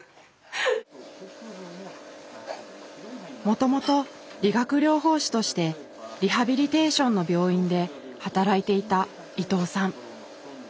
もともと理学療法士としてリハビリテーションの病院で働いていた伊藤さん。